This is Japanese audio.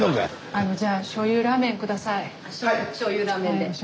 あのじゃあしょうゆラーメンで。